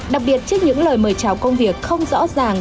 đặc biệt trước những lời mời chào công việc không rõ ràng